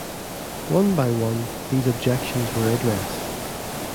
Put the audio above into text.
One by one these objections were addressed.